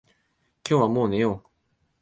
今日はもう寝よう。